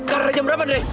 karena jam berapa drei